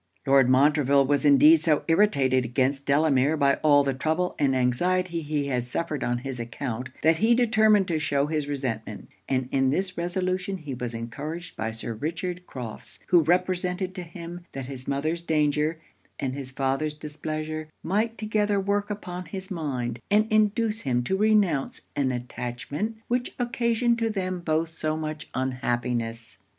Lord Montreville was indeed so irritated against Delamere by all the trouble and anxiety he had suffered on his account, that he determined to shew his resentment; and in this resolution he was encouraged by Sir Richard Crofts, who represented to him that his mother's danger, and his father's displeasure, might together work upon his mind, and induce him to renounce an attachment which occasioned to them both so much unhappiness.